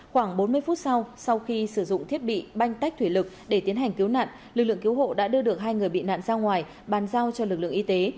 khoảng bốn mươi phút sau sau khi sử dụng thiết bị banh tách thủy lực để tiến hành cứu nạn lực lượng cứu hộ đã đưa được hai người bị nạn ra ngoài bàn giao cho lực lượng y tế